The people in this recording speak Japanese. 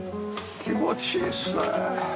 気持ちいいですね！